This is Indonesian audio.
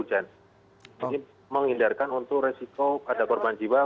jadi menghindarkan untuk resiko ada korban jiwa